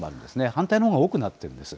反対のほうが多くなっているんです。